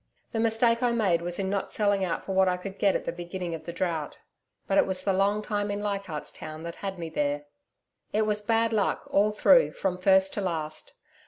The mistake I made was in not selling out for what I could get at the beginning of the Drought. But it was the long time in Leichardt's Town that had me there. It was bad luck all through from first to last.